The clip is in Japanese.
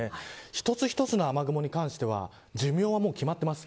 一つ一つの雨雲に関しては寿命は決まっています。